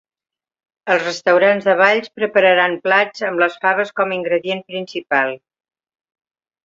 Els restaurants de Valls prepararan plats amb les faves com ingredient principal.